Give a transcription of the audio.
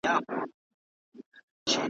نه یې زړه له شکایت څخه سړیږي `